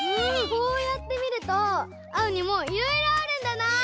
こうやってみるとあおにもいろいろあるんだな。